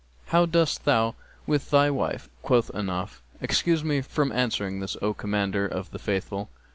'How dost thou with thy wife?' Quoth Ahnaf, 'Excuse me from answering this, O Commander of the Faithful!'